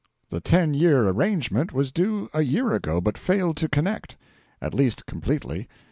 The ten year arrangement was due a year ago, but failed to connect. At least completely.